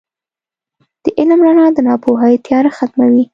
• د علم رڼا د ناپوهۍ تیاره ختموي.